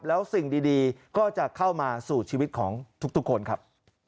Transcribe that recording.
แล้วสิ่งดีก็จะเข้ามาสู่ชีวิตของทุกคนครับ